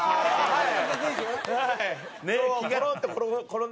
はい！